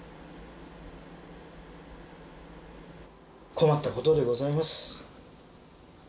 困ったことでございます。